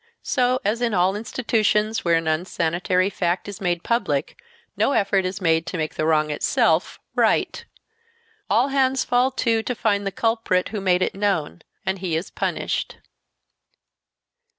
So, as in all institutions where an unsanitary fact is made public, no effort is made to make the wrong itself right. All hands fall to, to find the culprit, who made it known, and he is punished."